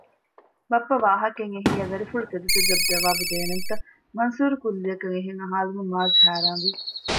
ބައްޕަ ވާހަކައެއް އެހިއްޔާ ދަރިފުޅު ތެދުތެދަށް ޖަވާބު ދޭނަންތަ؟ މަންސޫރު ކުއްލިއަކަށް އެހެން އަހާލުމުން މާޒް ހައިރާންވި